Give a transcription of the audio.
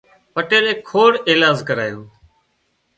پٽيلي کوۮ ايلاز ڪرايو